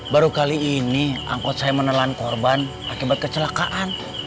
baru kali ini angkot saya menelan korban akibat kecelakaan